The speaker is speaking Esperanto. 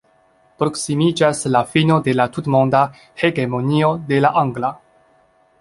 Proksimiĝas la fino de la tutmonda hegemonio de la angla.